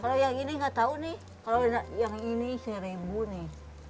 kalau yang ini nggak tahu nih kalau yang ini seribu nih